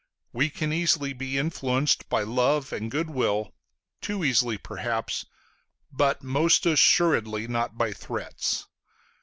We can easily be influenced by love and good will, too easily perhaps, but most assuredly not by threats.